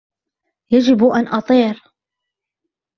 يجب أن أطير.